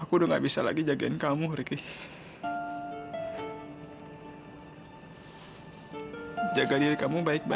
ini alamat riri mbak